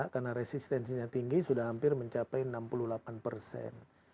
karena resistensinya tinggi sudah hampir mencapai enam puluh delapan persen